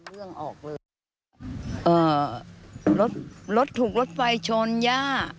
รถถูกรถไฟชนย่า